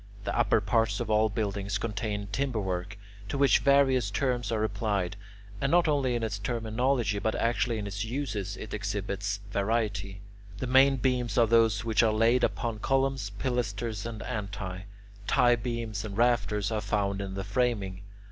The upper parts of all buildings contain timber work to which various terms are applied. And not only in its terminology but actually in its uses it exhibits variety. The main beams are those which are laid upon columns, pilasters, and antae; tie beams and rafters are found in the framing.